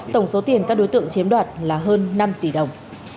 tổng số tiền các đối tượng chiếm đoạt là hơn năm tỷ đồng